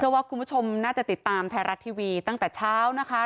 ว่าคุณผู้ชมน่าจะติดตามไทยรัฐทีวีตั้งแต่เช้านะคะ